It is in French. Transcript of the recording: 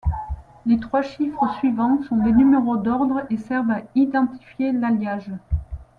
Les trois chiffres suivant sont des numéros d'ordre et servent à identifier l'alliage.